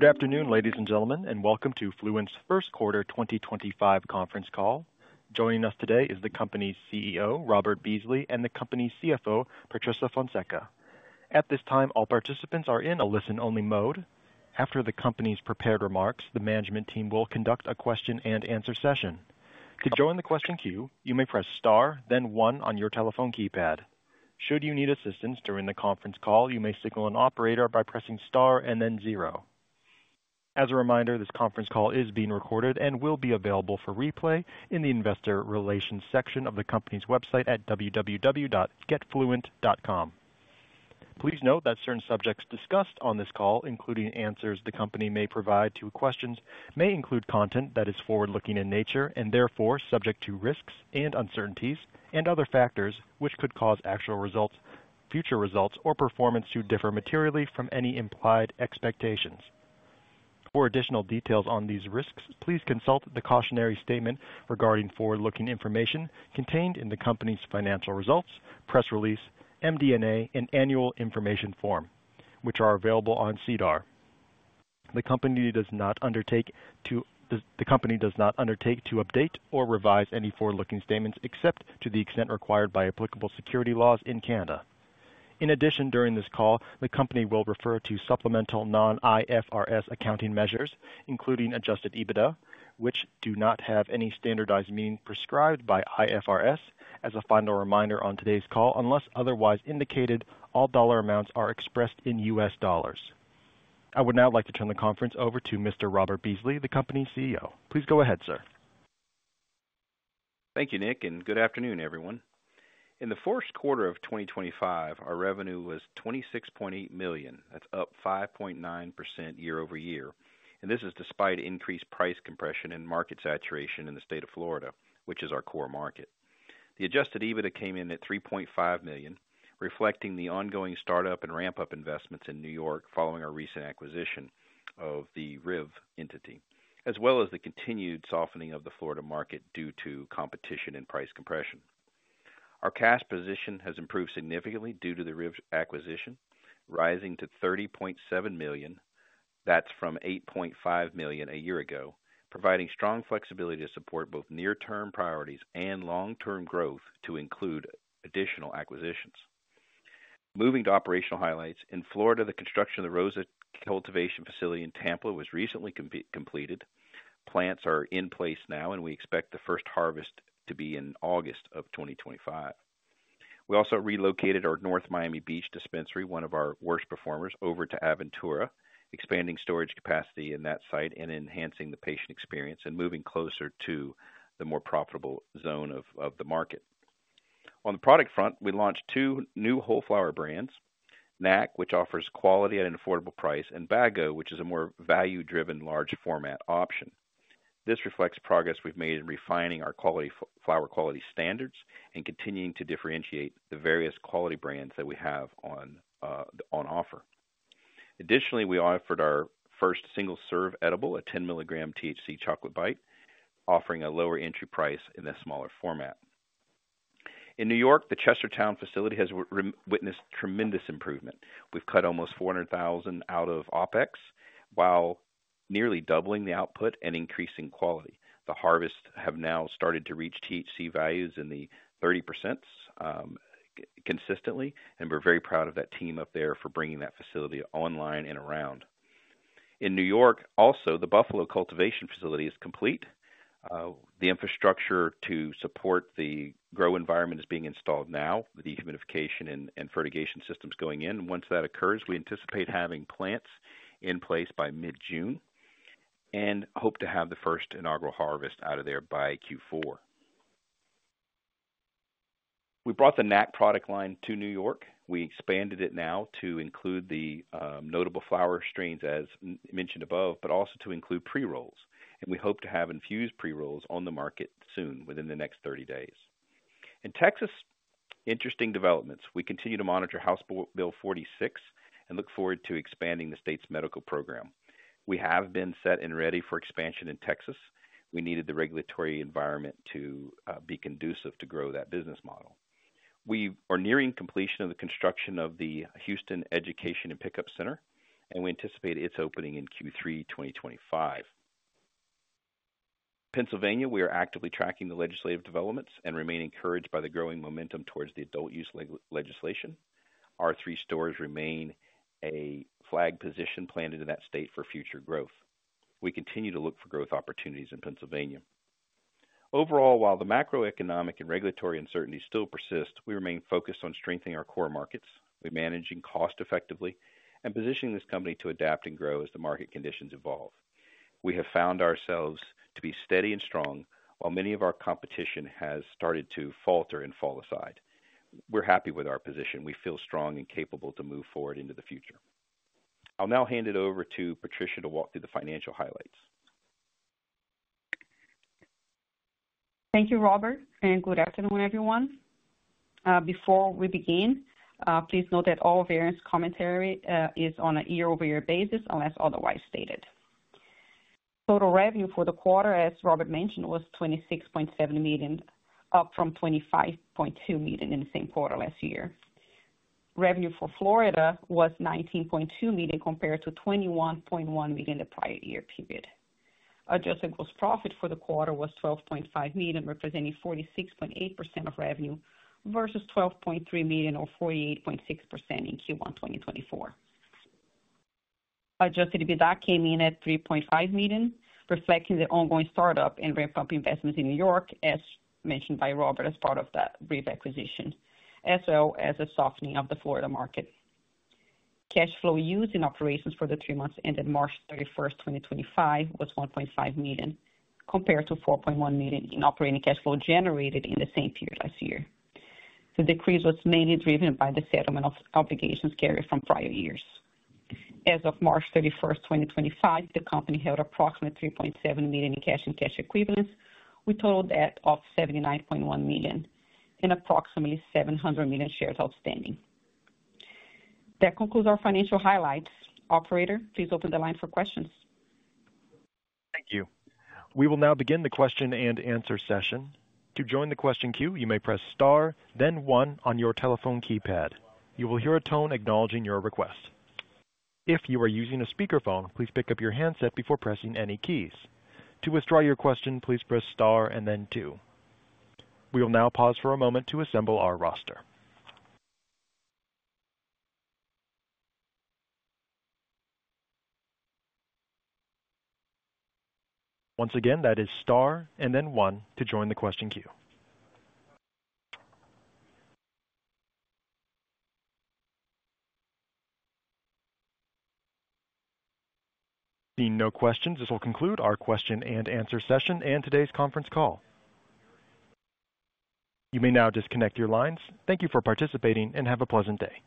Good afternoon, ladies and gentlemen, and welcome to FLUENT's first quarter 2025 conference call. Joining us today is the company's CEO, Robert Beasley, and the company's CFO, Patricia Fonseca. At this time, all participants are in a listen-only mode. After the company's prepared remarks, the management team will conduct a question-and-answer session. To join the question queue, you may press star, then one on your telephone keypad. Should you need assistance during the conference call, you may signal an operator by pressing star and then zero. As a reminder, this conference call is being recorded and will be available for replay in the investor relations section of the company's website at www.getfluent.com. Please note that certain subjects discussed on this call, including answers the company may provide to questions, may include content that is forward-looking in nature and therefore subject to risks and uncertainties and other factors which could cause actual results, future results, or performance to differ materially from any implied expectations. For additional details on these risks, please consult the cautionary statement regarding forward-looking information contained in the company's financial results, press release, MD&A, and annual information form, which are available on SEDAR. The company does not undertake to update or revise any forward-looking statements except to the extent required by applicable security laws in Canada. In addition, during this call, the company will refer to supplemental non-IFRS accounting measures, including adjusted EBITDA, which do not have any standardized mean prescribed by IFRS. As a final reminder on today's call, unless otherwise indicated, all dollar amounts are expressed in US dollars. I would now like to turn the conference over to Mr. Robert Beasley, the company's CEO. Please go ahead, sir. Thank you, Nick, and good afternoon, everyone. In the fourth quarter of 2025, our revenue was $26.8 million. That's up 5.9% year over year. This is despite increased price compression and market saturation in the state of Florida, which is our core market. The adjusted EBITDA came in at $3.5 million, reflecting the ongoing startup and ramp-up investments in New York following our recent acquisition of the RIV entity, as well as the continued softening of the Florida market due to competition and price compression. Our cash position has improved significantly due to the RIV acquisition, rising to $30.7 million. That's from $8.5 million a year ago, providing strong flexibility to support both near-term priorities and long-term growth to include additional acquisitions. Moving to operational highlights, in Florida, the construction of the Rosa cultivation facility in Tampa was recently completed. Plants are in place now, and we expect the first harvest to be in August of 2025. We also relocated our North Miami Beach dispensary, one of our worst performers, over to Aventura, expanding storage capacity in that site and enhancing the patient experience and moving closer to the more profitable zone of the market. On the product front, we launched two new whole flower brands: NAC, which offers quality at an affordable price, and Bag-O, which is a more value-driven, large-format option. This reflects progress we have made in refining our flower quality standards and continuing to differentiate the various quality brands that we have on offer. Additionally, we offered our first single-serve edible, a 10-milligram THC chocolate bite, offering a lower entry price in a smaller format. In New York, the Chestertown facility has witnessed tremendous improvement. We've cut almost $400,000 out of OPEX while nearly doubling the output and increasing quality. The harvests have now started to reach THC values in the 30% consistently, and we're very proud of that team up there for bringing that facility online and around. In New York, also, the Buffalo cultivation facility is complete. The infrastructure to support the grow environment is being installed now, with the humidification and fertigation systems going in. Once that occurs, we anticipate having plants in place by mid-June and hope to have the first inaugural harvest out of there by Q4. We brought the NAC product line to New York. We expanded it now to include the notable flower strains, as mentioned above, but also to include pre-rolls. And we hope to have infused pre-rolls on the market soon, within the next 30 days. In Texas, interesting developments. We continue to monitor House Bill 46 and look forward to expanding the state's medical program. We have been set and ready for expansion in Texas. We needed the regulatory environment to be conducive to grow that business model. We are nearing completion of the construction of the Houston Education and Pickup Center, and we anticipate its opening in Q3 2025. Pennsylvania, we are actively tracking the legislative developments and remain encouraged by the growing momentum towards the adult use legislation. Our three stores remain a flag position planted in that state for future growth. We continue to look for growth opportunities in Pennsylvania. Overall, while the macroeconomic and regulatory uncertainty still persists, we remain focused on strengthening our core markets, managing costs effectively, and positioning this company to adapt and grow as the market conditions evolve. We have found ourselves to be steady and strong while many of our competition has started to falter and fall aside. We're happy with our position. We feel strong and capable to move forward into the future. I'll now hand it over to Patricia to walk through the financial highlights. Thank you, Robert, and good afternoon, everyone. Before we begin, please note that all variance commentary is on a year-over-year basis, unless otherwise stated. Total revenue for the quarter, as Robert mentioned, was $26.7 million, up from $25.2 million in the same quarter last year. Revenue for Florida was $19.2 million compared to $21.1 million the prior year period. Adjusted gross profit for the quarter was $12.5 million, representing 46.8% of revenue versus $12.3 million or 48.6% in Q1 2024. Adjusted EBITDA came in at $3.5 million, reflecting the ongoing startup and ramp-up investments in New York, as mentioned by Robert, as part of the RIV acquisition, as well as a softening of the Florida market. Cash flow used in operations for the three months ended March 31, 2025, was $1.5 million compared to $4.1 million in operating cash flow generated in the same period last year. The decrease was mainly driven by the settlement of obligations carried from prior years. As of March 31, 2025, the company held approximately $3.7 million in cash and cash equivalents, with a total debt of $79.1 million and approximately 700 million shares outstanding. That concludes our financial highlights. Operator, please open the line for questions. Thank you. We will now begin the question and answer session. To join the question queue, you may press star, then one on your telephone keypad. You will hear a tone acknowledging your request. If you are using a speakerphone, please pick up your handset before pressing any keys. To withdraw your question, please press star and then two. We will now pause for a moment to assemble our roster. Once again, that is star and then one to join the question queue. Seeing no questions, this will conclude our question and answer session and today's conference call. You may now disconnect your lines. Thank you for participating and have a pleasant day.